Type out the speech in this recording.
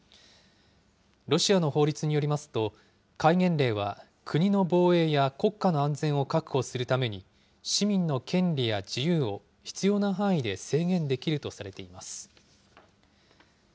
ロシアの法律によりますと、戒厳令は国の防衛や国家の安全を確保するために、市民の権利や自由を、必要な範囲で制限できるとされています。